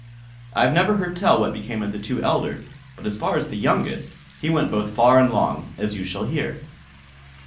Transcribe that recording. I have never heard tell what became of the two elder; but as for the youngest, he went both far and long, as you shall hear.